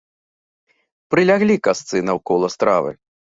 Прыляглі касцы наўкола стравы.